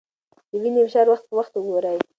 د وینې فشار وخت په وخت وګورئ.